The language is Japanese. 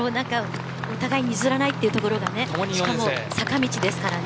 お互いに譲らないところがしかも坂道ですからね。